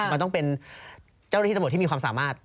มันต้องเป็นเจ้าหน้าที่ตำรวจที่มีความสามารถ